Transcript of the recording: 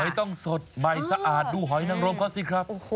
ต้องสดใหม่สะอาดดูหอยนังรมเขาสิครับ